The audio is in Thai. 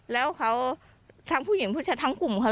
แล้วเขาทั้งผู้หญิงผู้ชายทั้งกลุ่มค่ะ